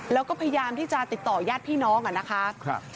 แล้วก็พยายามที่จะติดต่อยาดพี่น้องอะนะคะ